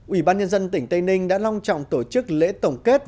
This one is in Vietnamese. ủy ban nhân dân tỉnh tây ninh đã long trọng tổ chức lễ tổng kết